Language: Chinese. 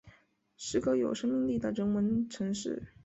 是个有生命力的人文城市